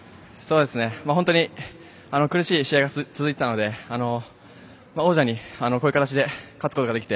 本当に苦しい試合が続いていたので王者にこういう形で勝つことができて